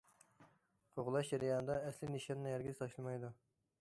قوغلاش جەريانىدا ئەسلىي نىشاننى ھەرگىز تاشلىمايدۇ.